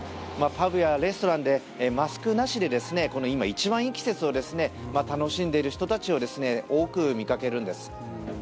パブやレストランでマスクなしで今、一番いい季節を楽しんでいる人たちを多く見かけるんです。